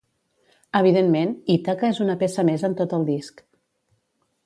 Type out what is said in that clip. Evidentment, Ítaca és una peça més en tot el disc.